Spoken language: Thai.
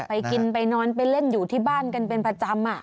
ไปกินไปนอนไปเล่นอยู่ที่บ้านกันเป็นประจำ